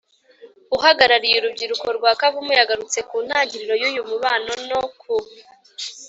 uhagarariye urubyiruko rwa kavumu yagarutse ku ntangiriro y’uyu mubano no ku